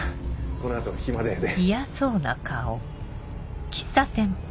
この後暇だよね？